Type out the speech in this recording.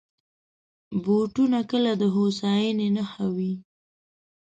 بوټونه کله د هوساینې نښه وي.